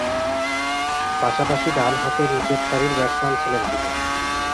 পাশাপাশি ডানহাতে নিচের সারির ব্যাটসম্যান ছিলেন তিনি।